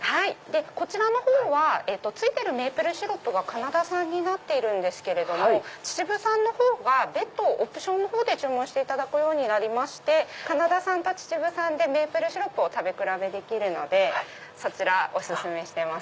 こちらはメープルシロップがカナダ産なんですけれども秩父産の方はオプションで注文していただくようになってカナダ産と秩父産でメープルシロップを食べ比べできるのでそちらお薦めしてます。